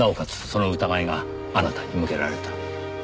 その疑いがあなたに向けられた。